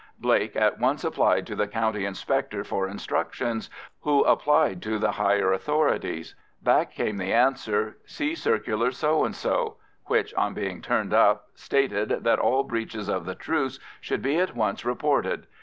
Blake at once applied to the County Inspector for instructions, who applied to the higher authorities. Back came the answer, "See circular so and so," which on being turned up stated that all breaches of the Truce should be at once reported.